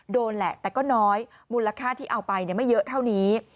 โดนแหละแต่ก็น้อยมูลค่าที่เอาไปไม่เยอะเท่านี้